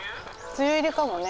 梅雨入りかもね。